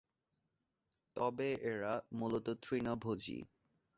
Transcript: তবে এরা মূলত তৃণভোজী।